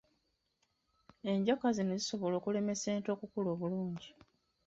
Enjoka zino zisobola okulemesa ente okukula obulungi.